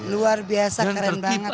luar biasa keren banget